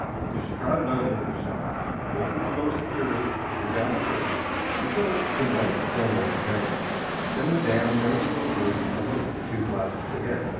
So she trotted out into the shop, bolted the door securely, drew down the curtains, and put out the dim light that had burned over the counter. Then Madame returned to the little room and looked at the two flasks again.